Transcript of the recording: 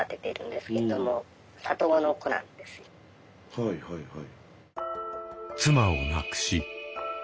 はいはいはい。